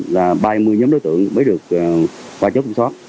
là ba mươi nhóm đối tượng mới được ba chốt kiểm soát